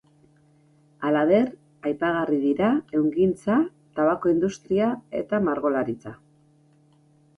Halaber, aipagarri dira ehungintza, tabako industria eta margolaritza.